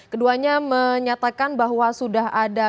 keduanya menyatakan bahwa sudah ada